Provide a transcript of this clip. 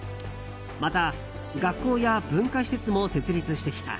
また、学校や文化施設も設立してきた。